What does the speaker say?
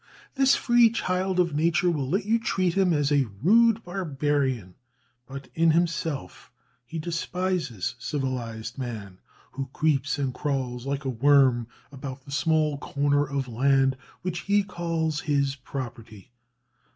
This free child of Nature will let you treat him as a rude barbarian, but in himself he despises civilized man, who creeps and crawls like a worm about the small corner of land which he calls his property.